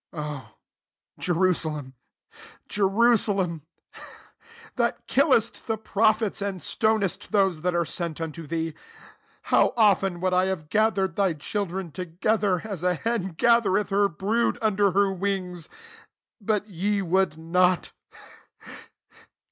34 " O Jerusalem, Jerusalem, that killest the prophets, and stonest those that are sent unto thee ; how often would I have gathered thy children together, as a hen gather eth her brood under her wings ! but ye would not.